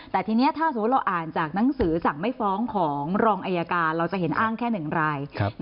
แต่ทีนี้ถ้าสมมุติเราอ่านจากหนังสือสั่งไม่ฟ้องของรองอายการเราจะเห็นอ้างแค่๑ราย